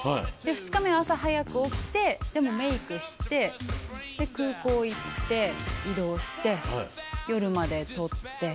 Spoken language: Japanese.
２日目は朝早く起きてメイクして空港行って移動して夜まで撮って。